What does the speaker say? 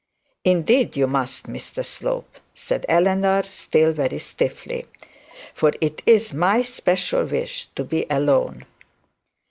'Indeed you must, Mr Slope,' said Eleanor still very stiffly; 'for it is my special wish to be alone.'